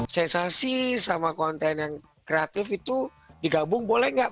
sensasi sama konten yang kreatif itu digabung boleh nggak